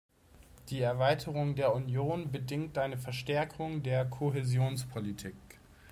Die Erweiterung der Union bedingt eine Verstärkung der Kohäsionspolitik.